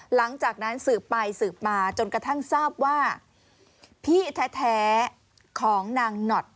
หลังจากนั้นสืบไปสืบมาจนกระทั่งทราบว่าพี่แท้ของนางหนอด